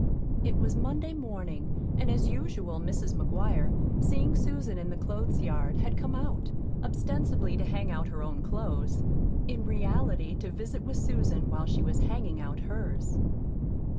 It was Monday morning, and as usual Mrs. McGuire, seeing Susan in the clothes yard, had come out, ostensibly to hang out her own clothes, in reality to visit with Susan while she was hanging out hers.